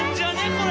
これ。